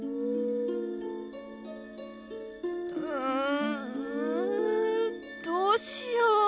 うんどうしよう。